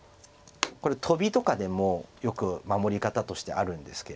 これトビとかでもよく守り方としてあるんですけれども。